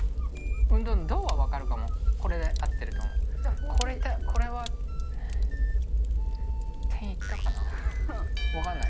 運動の「動」は分かるかもこれで合ってると思うこれは点いったかな分かんない